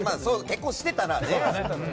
結婚してたらね。